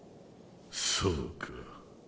そうか。